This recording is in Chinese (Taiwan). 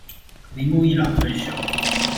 鈴木一朗退休了